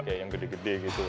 kayak yang gede gede gitu